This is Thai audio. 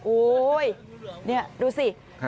โอ้โฮนี่ดูสิ